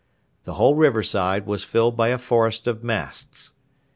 The whole riverside was filled by a forest of masts.